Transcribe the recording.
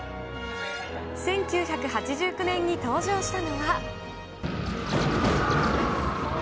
１９８９年に登場したのは。